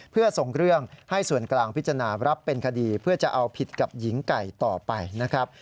เพื่อส่งเรื่องให้ส่วนกลางพิจารณารับเป็นคดีเพื่อจะเอาผิดกับหญิงไก่ต่อไปนะครับ